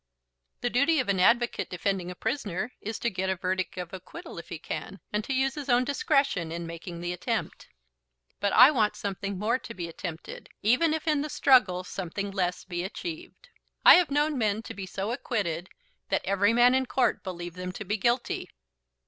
"The duty of an advocate defending a prisoner is to get a verdict of acquittal if he can, and to use his own discretion in making the attempt." "But I want something more to be attempted, even if in the struggle something less be achieved. I have known men to be so acquitted that every man in court believed them to be guilty."